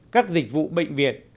các dịch vụ bệnh viện